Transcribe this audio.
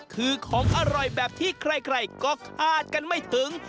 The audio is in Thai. คือของอร่อยแบบที่ใครก็คาดกันไม่ถึง